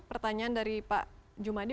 pertanyaan dari pak jumadi